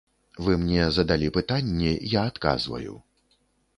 Вы мне задалі пытанне, я адказваю.